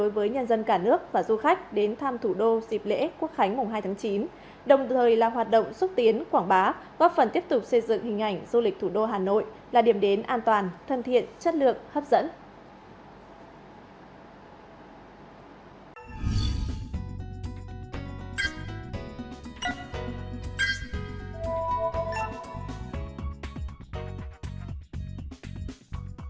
vé được in sẵn thời gian xuất phát ngày áp dụng vị trí dành cho khách